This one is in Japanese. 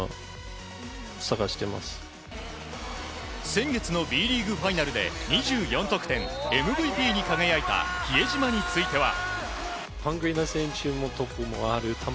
先月のＢリーグファイナルで２４得点ＭＶＰに輝いた比江島については。